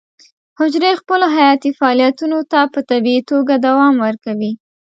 حجرې خپلو حیاتي فعالیتونو ته په طبیعي توګه دوام ورکوي.